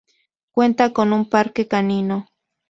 Cuenta con un parque canino